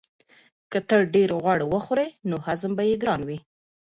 که ته ډېر غوړ وخورې نو هضم به یې ګران وي.